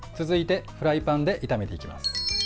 続いて、フライパンで炒めていきます。